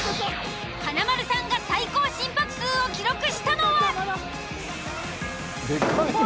華丸さんが最高心拍数を記録したのは？